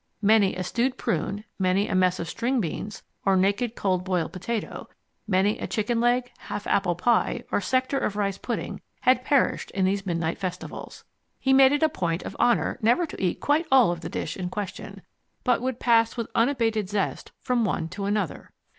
Many a stewed prune, many a mess of string beans or naked cold boiled potato, many a chicken leg, half apple pie, or sector of rice pudding, had perished in these midnight festivals. He made it a point of honour never to eat quite all of the dish in question, but would pass with unabated zest from one to another.